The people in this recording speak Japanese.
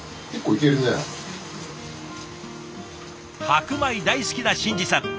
白米大好きな新志さん。